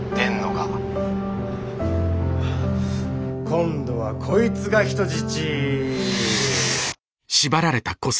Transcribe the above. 今度はこいつが人質。